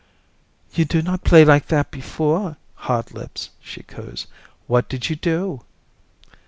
"You do not play like that before, Hotlips," she coos. "What did you do?"